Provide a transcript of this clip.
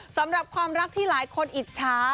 สำหรับความรักที่หลายคนอิจฉา